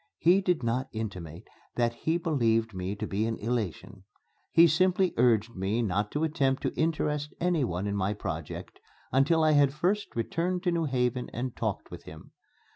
He did not intimate that he believed me to be in elation. He simply urged me not to attempt to interest anyone in my project until I had first returned to New Haven and talked with him.